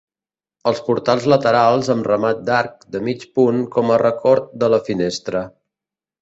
Els portals laterals amb remat d'arc de mig punt com a record de la finestra.